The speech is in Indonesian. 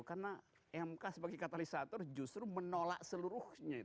karena mk sebagai katalisator justru menolak seluruhnya